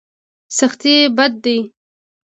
سختي بد دی.